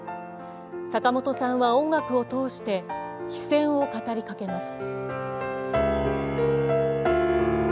坂本さんは音楽を通して非戦を語りかけます。